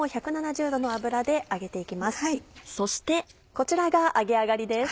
こちらが揚げ上がりです。